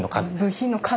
部品の数？